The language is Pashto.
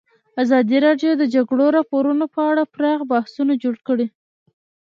ازادي راډیو د د جګړې راپورونه په اړه پراخ بحثونه جوړ کړي.